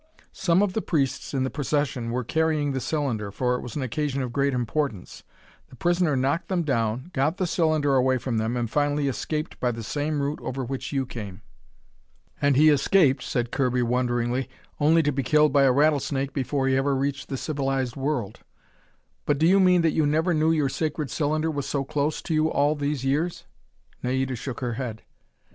Some of the priests in the procession were carrying the cylinder, for it was an occasion of great importance. The prisoner knocked them down, got the cylinder away from them, and finally escaped by the same route over which you came." "And he escaped," said Kirby wonderingly, "only to be killed by a rattlesnake before he ever reached the civilized world. But do you mean that you never knew your sacred cylinder was so close to you all these years?" Naida shook her head.